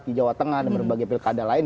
di jawa tengah dan berbagai pilkada lain